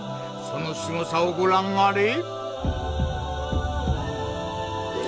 そのすごさをご覧あれ！